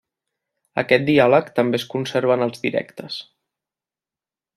Aquest diàleg també es conserva en els directes.